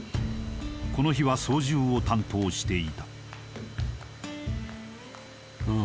この日は操縦を担当していたああ